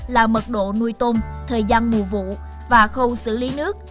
là mật độ nuôi tôm thời gian mùa vụ và khâu xử lý nước